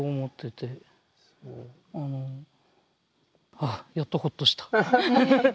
ああやっとホッとした。